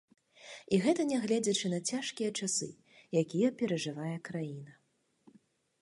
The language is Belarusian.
І гэта нягледзячы на цяжкія часы, якія перажывае краіна.